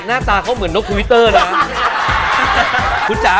หน้าตาเขาเหมือนนกทวิตเตอร์นะ